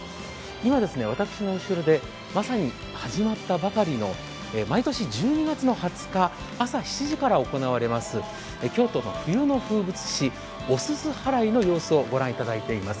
今、私の後ろでまさに始まったばかりの毎年１２月２０日朝７時から行われます、京都の冬の風物詩、お煤払いの様子を御覧いただいています。